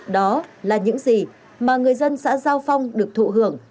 đó là những gì mà người dân xã giao phong được thụ hưởng